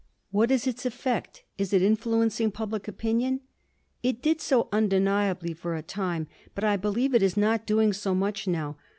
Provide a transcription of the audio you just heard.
"What is its effect? Is it influencing public opinion?" "It did so undeniably for a time. But I believe it is not doing so much now.